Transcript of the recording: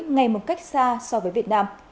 ngay một cách xa so với việt nam